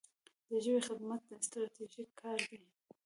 د ژبې خدمت ستراتیژیک کار دی.